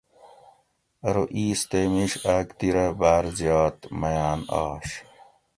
ارو اِیس تے مِیش آۤک دی رہ باۤر زیات میاۤن آش